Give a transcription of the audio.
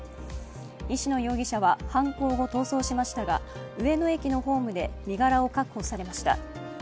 石野容疑者は犯行後、逃走しましたが上野駅のホームで身柄を確保されました。